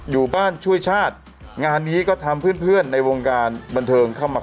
อยู่บ้านช่วยชาติงานนี้ก็ทำเพื่อนในวงการบันเทิงเข้ามา